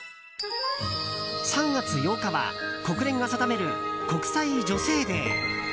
３月８日は国連が定める国際女性デー。